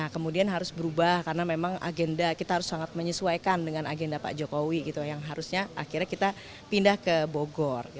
kemudian harus berubah karena memang agenda kita harus sangat menyesuaikan dengan agenda pak jokowi gitu yang harusnya akhirnya kita pindah ke bogor